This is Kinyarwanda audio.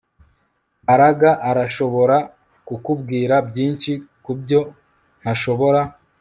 Mbaraga arashobora kukubwira byinshi kubyo ntashobora